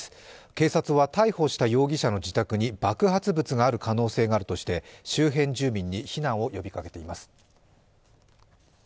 警察は逮捕した容疑者の自宅に爆発物がある可能性があるとして、周辺住民に避難を呼びかけています。